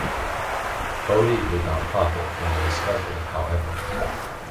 Bodey did not profit from the discovery however.